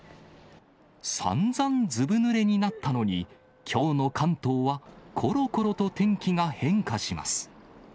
さんざんずぶぬれになったのに、きょうの関東は、ころころと天気が変化します。